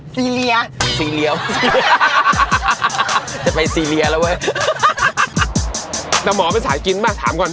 ซีเรียซีเรียวจะไปซีเรียแล้วเว้ยแต่หมอเป็นสายกินมากถามก่อน